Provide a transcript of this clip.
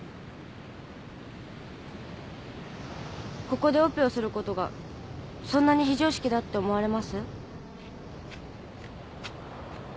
ここでオペをすることがそんなに非常識だって思われます？